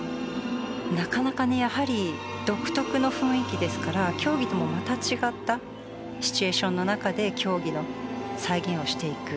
なかなかねやはり独特の雰囲気ですから競技ともまた違ったシチュエーションの中で競技の再現をしていく。